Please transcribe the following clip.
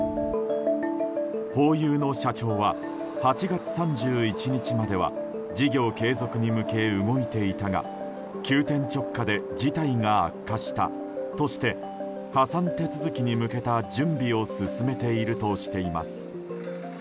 ホーユーの社長は８月３１日までは事業継続に向け動いていたが急転直下で事態が悪化したとして破産手続きに向けた準備を進めているとしています。